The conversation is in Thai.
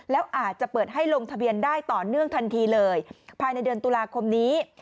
แล้วอาจจะเปิดให้ลงทะเบียนได้ต่อเนื่องทันทีเลยภายในเดือนตุลาคมนี้